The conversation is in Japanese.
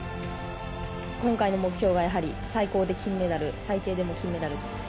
今回の目標はやはり、最高で金メダル、最低でも金メダル。